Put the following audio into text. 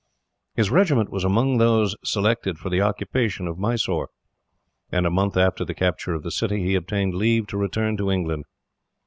His regiment was among those selected for the occupation of Mysore, and, a month after the capture of the city, he obtained leave to return to England.